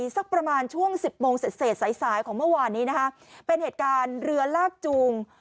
สักประมาณช่วงสิบโมงเสร็จเสร็จสายสายของเมื่อวานนี้นะคะเป็นเหตุการณ์เรือลากจูง